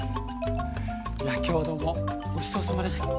いや今日はどうもごちそうさまでした。